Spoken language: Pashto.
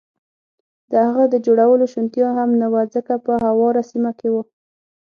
د هغه د جوړولو شونتیا هم نه وه، ځکه په هواره سیمه کې و.